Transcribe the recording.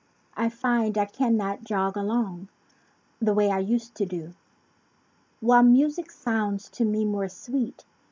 I find I cannot jog along The way I used to do. While music sounds to me more sweet.